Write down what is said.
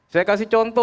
saya kasih contoh